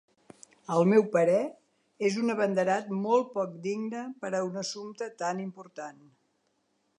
Al meu parer, és un abanderat molt poc digne per a un assumpte tan important.